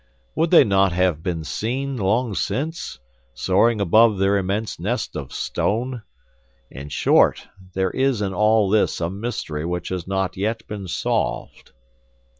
Would they not have been seen long since, soaring above their immense nest of stone? In short, there is in all this a mystery which has not yet been solved."